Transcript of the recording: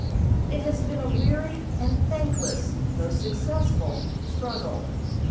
It has been a weary and thankless, though successful struggle.